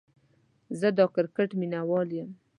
زه دا کرکټ ميناوال يم